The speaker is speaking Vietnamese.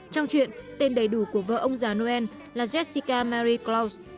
trong chuyện tên đầy đủ của vợ ông già noel là jessica marie claus